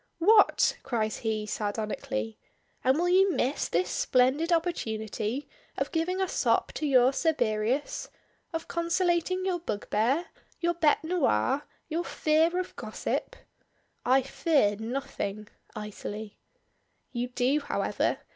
"What!" cries he, sardonically; "and will you miss this splendid opportunity of giving a sop to your Cerberus? Of conciliating your bugbear? your bête noire? your fear of gossip?" "I fear nothing" icily. "You do, however.